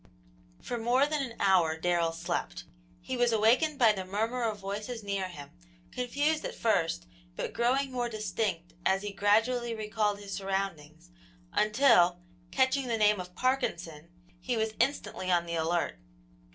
For more than an hour Darrell slept. He was awakened by the murmur of voices near him, confused at first, but growing more distinct as he gradually recalled his surroundings, until, catching the name of "Parkinson," he was instantly on the alert.